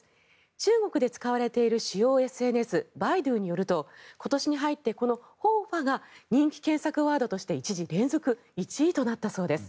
中国で使われている主要ＳＮＳバイドゥによると今年に入ってこの和花が人気検索ワードとして一時連続１位となったそうです。